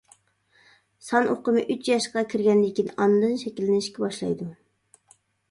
سان ئۇقۇمى ئۈچ ياشقا كىرگەندىن كېيىن ئاندىن شەكىللىنىشكە باشلايدۇ.